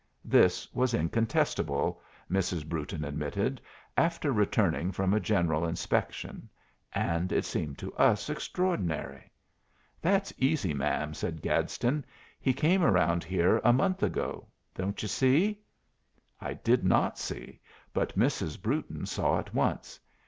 This was incontestable, Mrs. Brewton admitted, after returning from a general inspection; and it seemed to us extraordinary. "That's easy, ma'am," said Gadsden; "he came around here a month ago. Don't you see?" I did not see, but Mrs. Brewton saw at once.